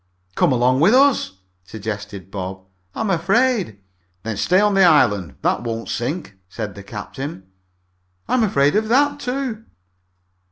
"Come along with us," suggested Bob. "I'm afraid." "Then stay on the island. That won't sink," said the captain. "I'm afraid of that, too."